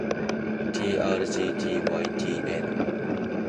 ｔｒｇｔｙｔｎ